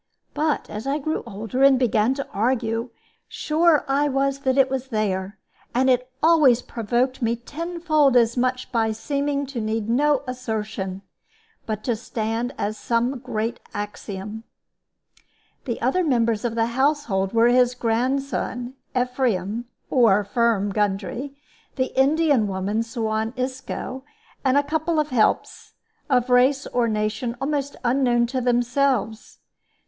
But as I grew older and began to argue, sure I was that it was there; and it always provoked me tenfold as much by seeming to need no assertion, but to stand as some great axiom. The other members of the household were his grandson Ephraim (or "Firm" Gundry), the Indian woman Suan Isco, and a couple of helps, of race or nation almost unknown to themselves.